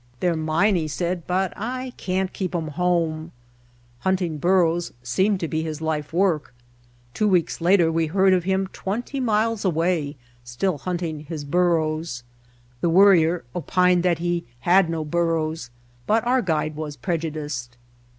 "They're mine," he said, "but I can't keep 'em home." Hunting burros seemed to be his life work. Two weeks later we heard of him twenty miles away still hunting his burros. The Worrier opined that he had no burros, but our guide was prejudiced.